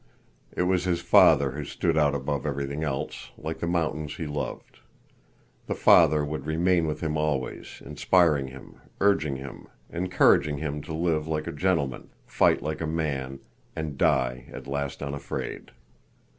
It was his father who stood out above everything else, like the mountains he loved. The father would remain with him always, inspiring him, urging him, encouraging him to live like a gentleman, fight like a man, and die at last unafraid.